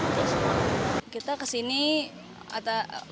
terus buat kita kangen buat kita senang